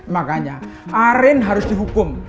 makanya arief harus dihukum